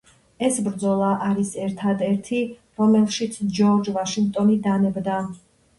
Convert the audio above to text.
ეს ბრძოლა არის ერთად ერთი რომელშიც ჯორჯ ვაშინგტონი დანებდა.